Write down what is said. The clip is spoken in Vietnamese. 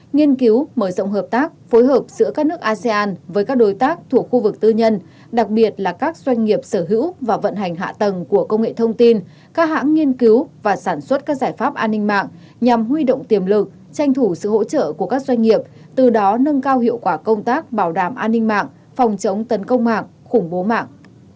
nghiên cứu mở rộng hợp tác phối hợp giữa các nước asean với các đối tác thuộc khu vực tư nhân đặc biệt là các doanh nghiệp sở hữu và vận hành hạ tầng của công nghệ thông tin các hãng nghiên cứu và sản xuất các giải pháp an ninh mạng nhằm huy động tiềm lực tranh thủ sự hỗ trợ của các doanh nghiệp từ đó nâng cao hiệu quả công tác bảo đảm an ninh mạng phòng chống tấn công mạng khủng bố mạng